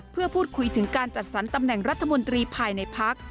เพื่อพูดคุยถึงการจัดสรรตำแหน่งรัฐมนตรีภายในพัก